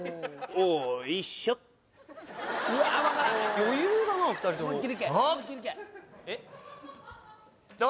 余裕だな２人ともどう？